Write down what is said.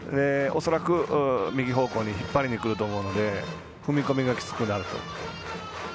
恐らく、右方向に引っ張りにいくと思うので踏み込みがきつくなると。